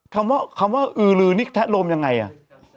คำว่าคำว่าอือลือนี่แทะโลมยังไงอ่ะ